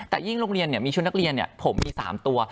แต่ยิ่งโรงเรียนมีชุดนักเรียนผมมี๓ตัว